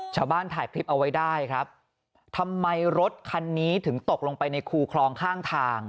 ชาวบ้านถ่ายคลิปเอาไว้ได้ครับทำไมรถคันนี้ถึงตกลงไปในคูคลองข้างทาง